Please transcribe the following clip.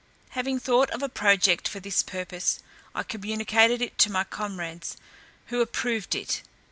Having thought of a project for this purpose, I communicated it to my comrades, who approved it.